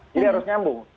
jadi harus nyambung